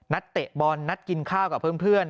เตะบอลนัดกินข้าวกับเพื่อน